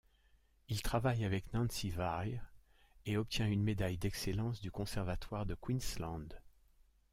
Il travaille avec Nancy Weir et obtient une médaille d'excellence du Conservatoire de Queensland.